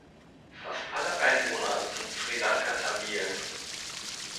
Fast alle Einwohner sind Sri-Lanka-Tamilen.